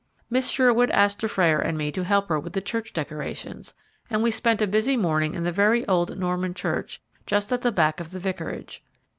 Miss Sherwood asked Dufrayer and me to help her with the church decorations, and we spent a busy morning in the very old Norman church just at the back of the vicarage.